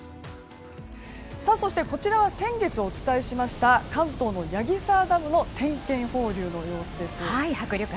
こちらは先月、お伝えしました関東の矢木沢ダムの点検放流の様子です。